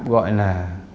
tạm gọi là